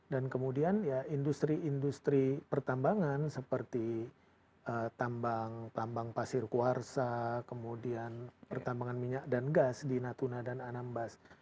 dan kemudian ya industri industri pertambangan seperti tambang pasir kuarsa kemudian pertambangan minyak dan gas di natuna dan anambas